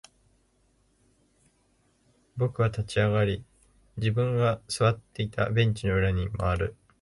僕は立ち上がり、自分が座っていたベンチの裏に回る。